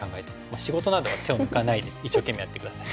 仕事などは手を抜かないで一生懸命やって下さい。